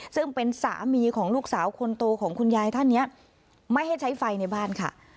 ซึ่งเป็นสามีของลูกสาวคนโตของคุณยายท่านนี้ไม่ให้ใช้ไฟในบ้านค่ะ